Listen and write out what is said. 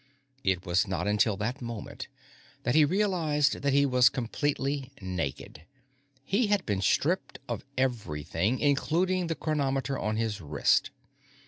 It was not until that moment that he realized that he was completely naked. He had been stripped of everything, including the chronometer on his wrist.